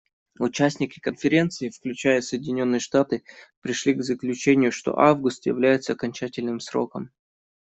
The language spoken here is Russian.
Участники Конференции, включая Соединенные Штаты, пришли к заключению, что август является окончательным сроком.